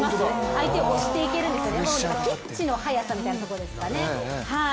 相手を押していけるんですね、ピッチの速さみたいなところですかね。